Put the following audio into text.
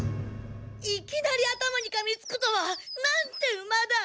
いきなり頭にかみつくとはなんて馬だ！